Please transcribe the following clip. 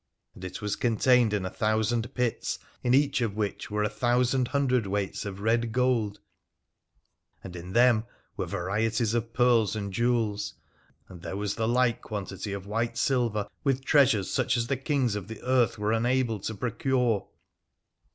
(And it was contained in a thousanc pits, in each of which were a thousand hundredweights of red gold and in them were varieties of pearls and jewels, and there was the like quantity of white silver, with treasures such as the Kings o: the earth were imable to procure.)